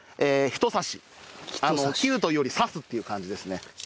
切るというより刺すっていう感じですね。